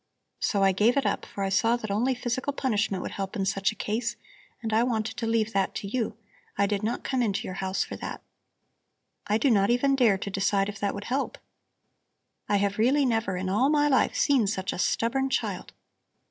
So I gave it up, for I saw that only physical punishment would help in such a case and I wanted to leave that to you; I did not come into your house for that. I do not even dare to decide if that would help. I have really never in all my life seen such a stubborn child.